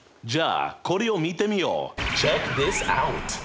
じゃあこれを見てみよう。